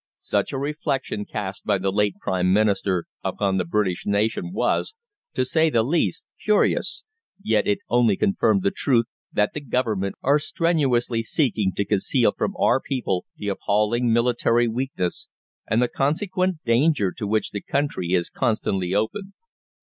Such a reflection, cast by the late Prime Minister upon the British nation was, to say the least, curious, yet it only confirmed the truth that the Government are strenuously seeking to conceal from our people the appalling military weakness and the consequent danger to which the country is constantly open.